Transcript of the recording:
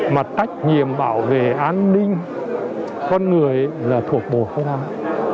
mà tách nhiệm bảo vệ an ninh con người là thuộc bộ khách hàng